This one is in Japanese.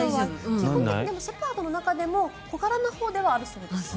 基本的にシェパードの中でも小柄なほうではあるそうです。